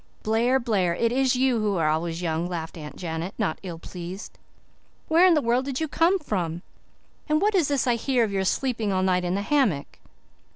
"Blair, Blair, it is you who are always young," laughed Aunt Janet, not ill pleased. "Where in the world did you come from? And what is this I hear of your sleeping all night in the hammock?"